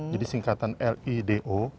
jadi singkatan l i d o